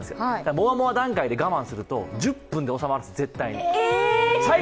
モアモア段階で我慢すると１０分で収まる、絶対に。